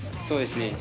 そうですね。